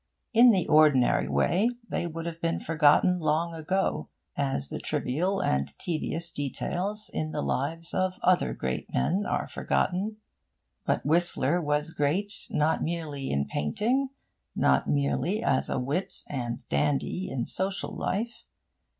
In the ordinary way, they would have been forgotten long ago, as the trivial and tedious details in the lives of other great men are forgotten. But Whistler was great not merely in painting, not merely as a wit and dandy in social life.